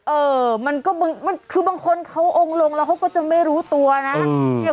เออมันก็คือบางคนเขาองค์ลงแล้วเขาก็จะไม่รู้ตัวนะ